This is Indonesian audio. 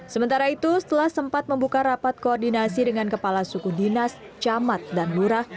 sementara itu setelah sempat membuka rapat koordinasi dengan kepala suku dinas camat dan lurah